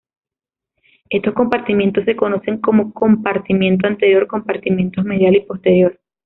Estos compartimentos se conocen como compartimento anterior, compartimentos medial y posterior.